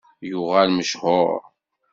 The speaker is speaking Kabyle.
Yuɣal mechuṛ.